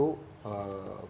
kalau ada film hantu